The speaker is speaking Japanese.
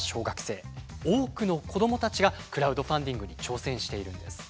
多くの子どもたちがクラウドファンディングに挑戦しているんです。